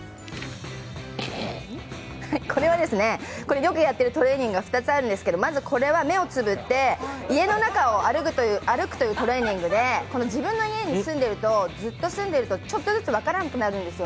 これはよくやってるトレーニングが２つあるんですけどまずこれは目をつぶって、家の中を歩くというトレーニングで自分の家にずっと住んでると、ちょっとずつ分からなくなるんですよ。